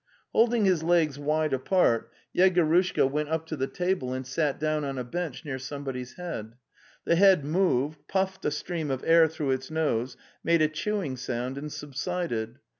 Holding his legs wide apart, Yegorushka went up to the table and sat down on a bench near some body's head. The head moved, puffed a stream of air through its nose, made a chewing sound and subsided.